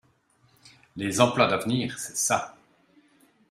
Les emplois d’avenir, c’est ça.